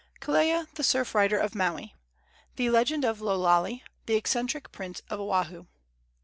KELEA, THE SURF RIDER OF MAUI. THE LEGEND OF LO LALE, THE ECCENTRIC PRINCE OF OAHU.